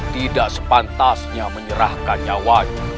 tidak sepantasnya menyerahkan nyawanya